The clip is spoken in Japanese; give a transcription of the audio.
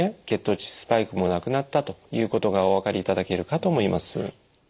血糖値スパイクもなくなったということがお分かりいただけるかと思います。